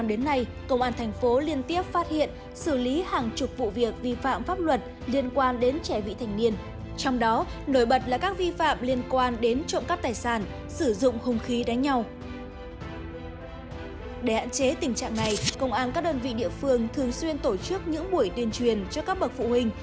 để hạn chế tình trạng này công an các đơn vị địa phương thường xuyên tổ chức những buổi tuyên truyền cho các bậc phụ huynh